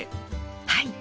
はい！